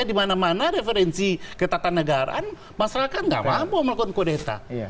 di mana mana referensi ketatanegaraan masyarakat nggak mampu melakukan kudeta